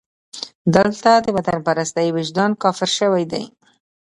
دلته د وطنپرستۍ وجدان کافر شوی دی.